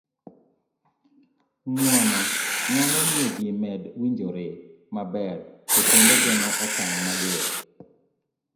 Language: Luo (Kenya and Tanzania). ng'uono nyalo miyo ji med winjore maber to kendo geng'o okang' mager